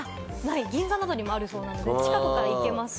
銀座などにもあるそうなので、近くだから行けますし。